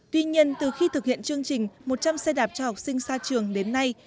tuy nhiên từ khi thực hiện chương trình một trăm linh xe đạp cho học sinh xa trường đến nay